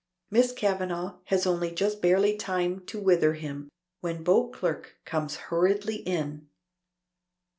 Miss Kavanagh has only just barely time to wither him, when Beauclerk comes hurriedly in.